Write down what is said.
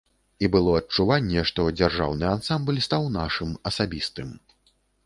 І было адчуванне, што дзяржаўны ансамбль стаў нашым, асабістым.